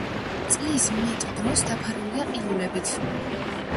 წლის მეტ დროს დაფარულია ყინულებით.